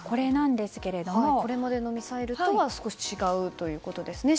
これまでのミサイルとは少し違うということですね。